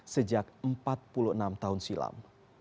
sejak empat puluh enam tahun silam